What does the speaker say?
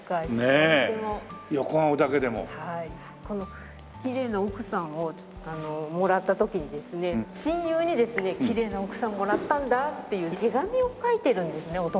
このきれいな奥さんをもらった時にですね親友にですね「きれいな奥さんもらったんだ」っていう手紙を書いてるんですね